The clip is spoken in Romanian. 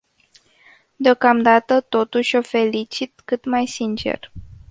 Deocamdată totuși o felicit cât mai sincer.